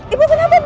ibu kenapa bu